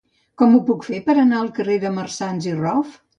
Com ho puc fer per anar al carrer de Marsans i Rof?